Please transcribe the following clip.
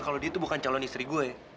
kalau dia itu bukan calon istri gue